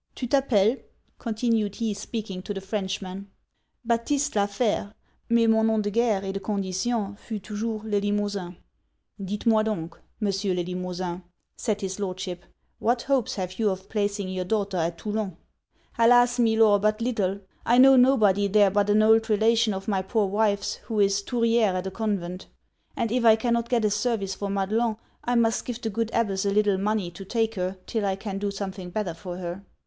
Tu t'appelles?' continued he, speaking to the Frenchman. 'Baptiste La Fere mais mon nomme de guerre, et de condition fut toujours Le Limosin.' 'Dites moi donc, Monsieur Le Limosin,' said his Lordship, 'what hopes have you of placing your daughter at Toulon?' 'Alas! Milor, but little. I know nobody there but an old relation of my poor wife's, who is Touriere at a convent; and if I cannot get a service for Madelon, I must give the good abbess a little money to take her till I can do something better for her.'